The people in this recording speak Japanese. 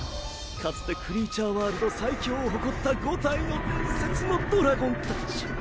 かつてクリーチャーワールド最強を誇った５体の伝説のドラゴンたち。